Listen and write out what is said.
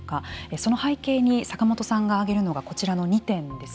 その背景に坂元さんが挙げるのがこちらの２点です。